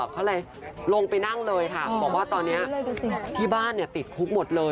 เขาเลยลงไปนั่งเลยค่ะบอกว่าตอนนี้ที่บ้านติดคุกหมดเลย